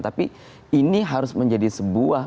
tapi ini harus menjadi sebuah